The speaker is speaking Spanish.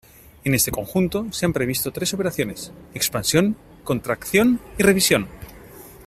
En este conjunto, se han previsto tres operaciones: expansión, contracción y revisión.